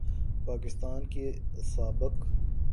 پاکستان کے سابق